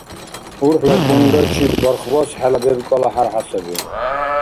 УрхӀла хьунрачил бархбас хӀела бебкӀала хӀярхӀя саби.